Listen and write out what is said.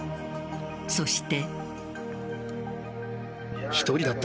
そして。